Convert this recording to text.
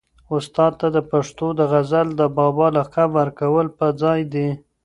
استاد ته د پښتو د غزل د بابا لقب ورکول په ځای دي.